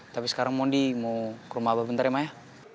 tapi sekarang mondi mau ke rumah abah bentar ya ma ya